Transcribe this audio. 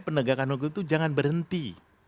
penegakan hukum itu jangan berhenti